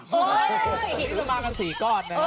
ซึ้งมากับสี่ก้อน